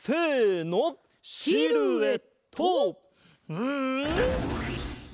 うん！